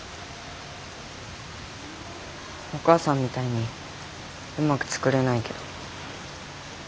お母さんみたいにうまく作れないけど。